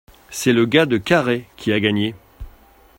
C’est le gars de Carhaix qui a gagné.